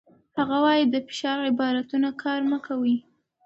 هغه وايي، د فشار عبارتونه کار مه کوئ.